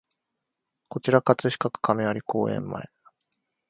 こちら葛飾区亀有公園前